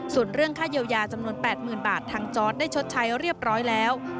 ส่วนเรื่องค่าเยียวยาจำนวน๘๐๐๐บาททางจอร์ดได้ชดใช้เรียบร้อยแล้ว